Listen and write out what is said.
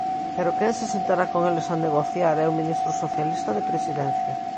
Pero quen se sentará con eles a negociar é o ministro socialista de Presidencia.